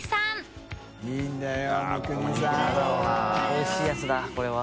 おいしいやつだこれは。